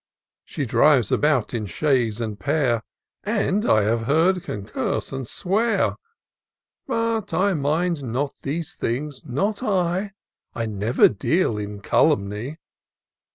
She drives about in chaise and pair. And, I have heard, can curse and swear : But I mind not these things, not I, I never deal in calumny.